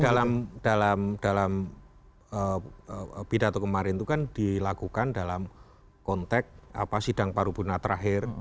makanya itu dalam bidat kemarin itu kan dilakukan dalam konteks sidang parubunah terakhir